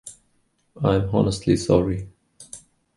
I'm honestly sorry.